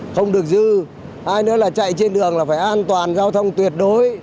không được dư hai nữa là chạy trên đường là phải an toàn giao thông tuyệt đối